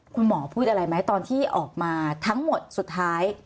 คุณหมอพูดอะไรไหมตอนที่ออกมาทั้งหมดสุดท้าย